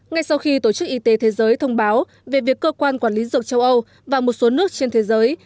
ngay sau khi tổ chức y tế thế giới thông báo về việc cơ quan quản lý dược châu âu và một số nước trên thế giới